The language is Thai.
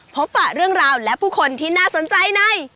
ปะเรื่องราวและผู้คนที่น่าสนใจใน